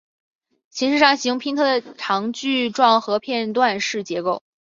形式上喜用拼贴的长矩状和片段式的结构。